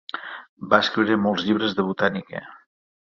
Va escriure molts llibres de botànica.